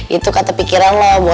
itu kata pikiran lo